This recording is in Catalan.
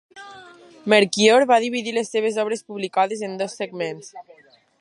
Merquior va dividir les seves obres publicades en dos segments.